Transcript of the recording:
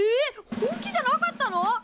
本気じゃなかったの！？